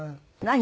何？